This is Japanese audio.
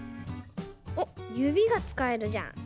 おっゆびがつかえるじゃん。